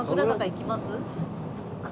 行きますか？